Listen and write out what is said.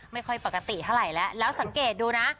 ไม่ค่อยปกติเท่าไหร่แล้วแล้วสังเกตดูนะ